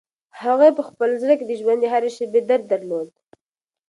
هغې په خپل زړه کې د ژوند د هرې شېبې درد درلود.